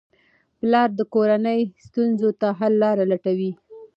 پلار د کورنۍ ستونزو ته حل لارې لټوي.